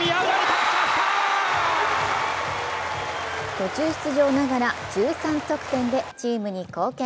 途中出場ながら１３得点でチームに貢献。